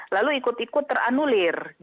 lalu ikut ikut dianulir